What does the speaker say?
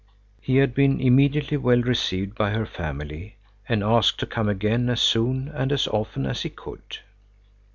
He had been immediately well received by her family and asked to come again as soon and as often as he could.